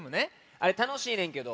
あれたのしいねんけど。